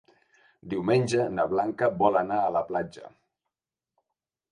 Diumenge na Blanca vol anar a la platja.